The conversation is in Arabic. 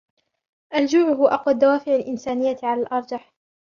الجوع هو أقوى الدوافع الإنسانية على الأرجح.